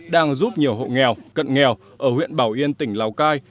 đang giúp nhiều hộ nghèo cận nghèo ở huyện bảo yên tỉnh lào cai